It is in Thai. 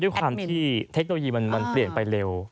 ด้วยความที่เทคโนโลยีมันเปลี่ยนไปเร็ว